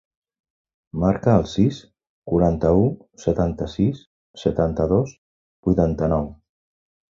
Marca el sis, quaranta-u, setanta-sis, setanta-dos, vuitanta-nou.